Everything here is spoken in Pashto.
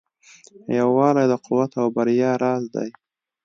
یووالی د قوت او بریا راز دی.